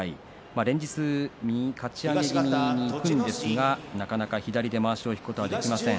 連日右かち上げ気味にいくんですがなかなか左でまわしを引くことができません。